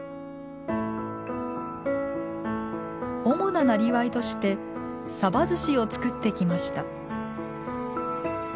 主な、なりわいとしてさばずしを作ってきました。